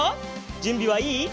じゅんびはいい？